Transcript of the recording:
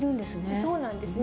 そうなんですね。